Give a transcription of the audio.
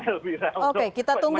oke kita tunggu